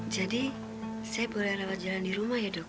jadi saya boleh rawat jalan di rumah ya dok